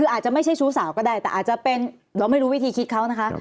คืออาจจะไม่ใช่ชู้สาวก็ได้แต่อาจจะเป็นเราไม่รู้วิธีคิดเขานะคะ